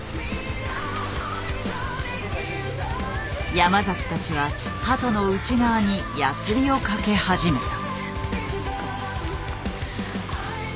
山たちは鳩の内側にヤスリをかけ始めた。